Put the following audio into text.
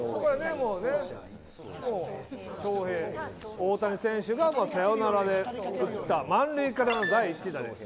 大谷翔平がサヨナラで打った満塁からの第１打です。